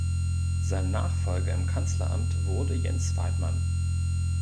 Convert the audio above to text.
Sein Nachfolger im Kanzleramt wurde Jens Weidmann.